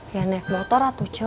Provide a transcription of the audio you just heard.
ya naik motor atuh c